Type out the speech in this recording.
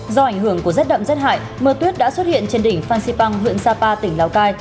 do ảnh hưởng của rết đậm rết hại mưa tuyết đã xuất hiện trên đỉnh phan xipang hượng sapa tỉnh lào cai